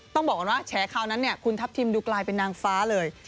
ต้องบอกก่อนว่าแฉคราวนั้นคุณทัพทิมดูกลายเป็นนางฟ้าเลย